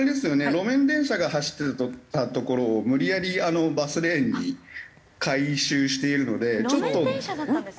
路面電車が走ってた所を無理やりバスレーンに改修しているのでちょっと特殊な所です。